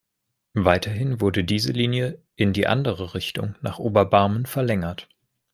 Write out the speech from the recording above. Weiterhin wurde diese Linie in die andere Richtung nach Oberbarmen verlängert.